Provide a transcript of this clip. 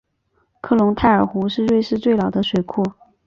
克隆泰尔湖是瑞士最老的水库。